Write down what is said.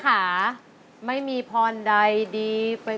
กลับมาเมื่อเวลาที่สุดท้าย